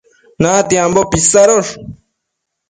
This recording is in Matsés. natiambo pisadosh